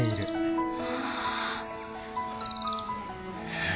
へえ。